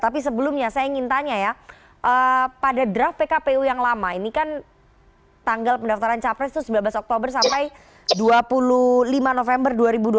kepada kpu yang lama ini kan tanggal pendaftaran capres itu sembilan belas oktober sampai dua puluh lima november dua ribu dua puluh tiga